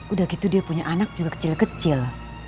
udah gitu dia punya anak juga kecil kecil